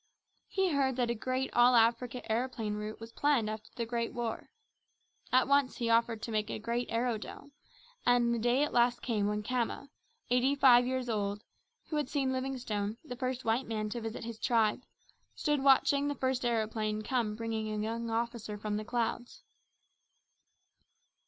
He heard that a great all Africa aeroplane route was planned after the Great War. At once he offered to make a great aerodrome, and the day at last came when Khama eighty five years old who had seen Livingstone, the first white man to visit his tribe stood watching the first aeroplane come bringing a young officer from the clouds.